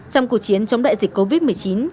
trong cuộc chiến chống đại dịch covid một mươi chín